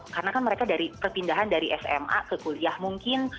karena kan mereka dari perpindahan dari sma ke kuliah mungkin